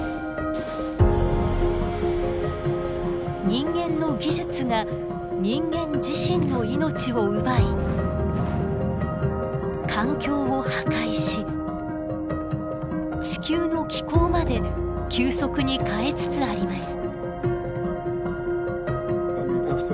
人間の技術が人間自身の命を奪い環境を破壊し地球の気候まで急速に変えつつあります。